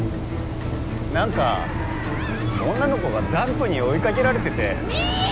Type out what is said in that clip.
何か女の子がダンプに追いかけられてて深山！